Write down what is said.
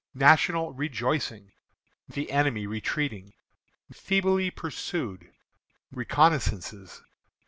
National Rejoicing. The Enemy Retreating. Feebly Pursued. Reconnoissances.